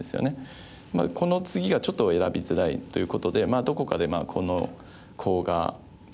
このツギがちょっと選びづらいということでどこかでこのコウが戦い。